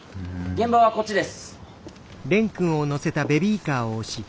現場はこっちです。